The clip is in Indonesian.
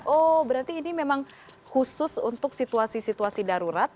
oh berarti ini memang khusus untuk situasi situasi darurat